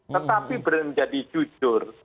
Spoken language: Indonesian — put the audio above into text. tetapi menjadi jujur